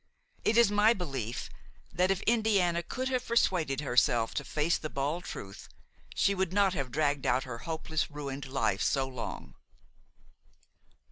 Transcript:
It is my belief that, if Indiana could have persuaded herself to face the bald truth, she would not have dragged out her hopeless, ruined life so long.